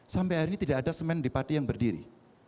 sampai hari ini tidak ada semen di padi yang berdiri